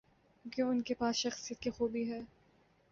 کیونکہ ان کے پاس شخصیت کی خوبی ہے۔